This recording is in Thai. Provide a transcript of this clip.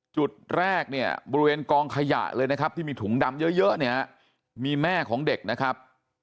จุดแรกเนี่ยบริเวณกองขยะเลยนะครับที่มีถุงดำเยอะเนี่ยมีแม่ของเด็กนะครับ